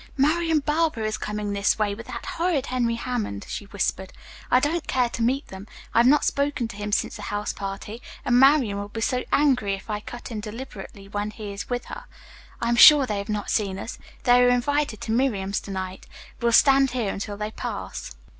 "Marian Barber is coming this way with that horrid Henry Hammond," she whispered. "I don't care to meet them. I have not spoken to him since the house party, and Marian will be so angry if I cut him deliberately when he is with her. I am sure they have not seen us. They were invited to Miriam's to night. We'll stand here until they pass."